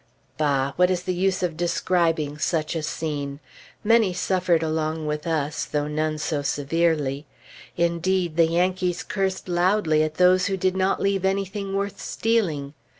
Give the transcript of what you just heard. Bah! What is the use of describing such a scene? Many suffered along with us, though none so severely. Indeed, the Yankees cursed loudly at those who did not leave anything worth stealing.